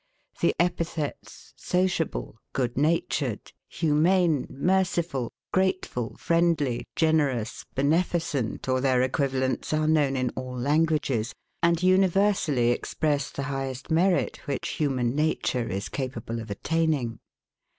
The epithets SOCIABLE, GOOD NATURED, HUMANE, MERCIFUL, GRATEFUL, FRIENDLY, GENEROUS, BENEFICENT, or their equivalents, are known in all languages, and universally express the highest merit, which HUMAN NATURE is capable of attaining.